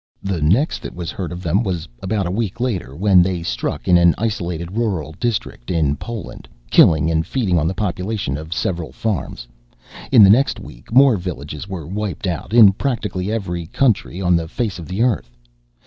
"The next that was heard of them was about a week later, when they struck in an isolated rural district in Poland, killing and feeding on the population of several farms. In the next week more villages were wiped out, in practically every country on the face of the Earth.